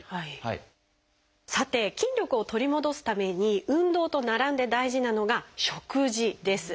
さて筋力を取り戻すために運動と並んで大事なのが食事です。